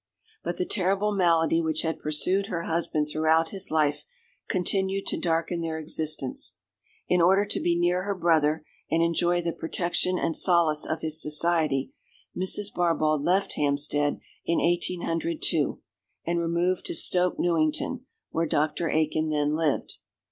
But the terrible malady which had pursued her husband throughout his life continued to darken their existence. In order to be near her brother, and enjoy the protection and solace of his society, Mrs. Barbauld left Hampstead in 1802, and removed to Stoke Newington, where Dr. Aikin then lived.